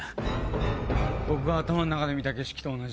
僕が頭の中で見た景色と同じです。